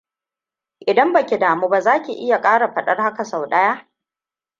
Idan ba ki damu ba za ki iya ƙara faɗar haka sau ɗaya?